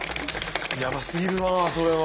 やばすぎるわそれは。